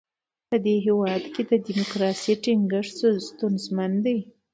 په دې هېواد کې د ډیموکراسۍ ټینګښت ستونزمن دی.